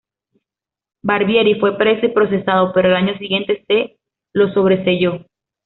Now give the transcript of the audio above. Barbieri fue puesto preso y procesado, pero al año siguiente se lo sobreseyó.